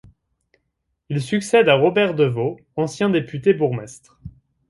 Il succède à Robert Devos, ancien député-bourgmestre.